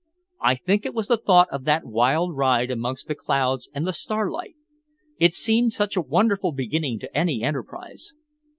I think it was the thought of that wild ride amongst the clouds, and the starlight. It seemed such a wonderful beginning to any enterprise.